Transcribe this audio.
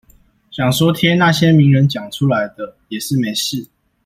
想說貼那些名人講出來的也是沒事